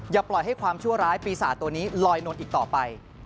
ปล่อยให้ความชั่วร้ายปีศาจตัวนี้ลอยนวลอีกต่อไป